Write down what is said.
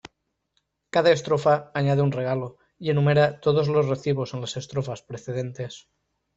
Cada estrofa añade un regalo y enumera todos los recibidos en las estrofas precedentes.